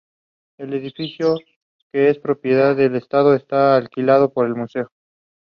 He and his brothers founded the Mulia Group of companies.